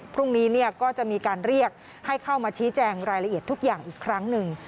พรุ่งนี้ก็จะมีการเรียกให้เข้ามาชี้แจงรายละเอียดทุกอย่างอีกครั้งหนึ่ง